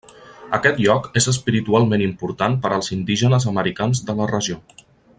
Aquest lloc és espiritualment important per als indígenes americans de la regió.